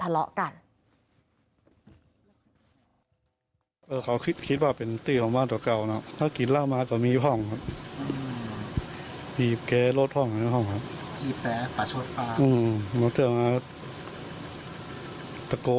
แล้วป้าแมวกันก็ชอบเอาผ้ามาตาก